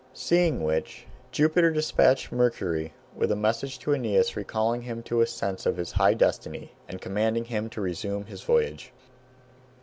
Seeing which, Jupiter despatched Mercury with a message to Aeneas recalling him to a sense of his high destiny, and commanding him to resume his voyage.